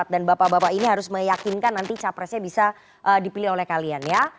dan bapak bapak ini harus meyakinkan nanti capresnya bisa dipilih oleh kalian ya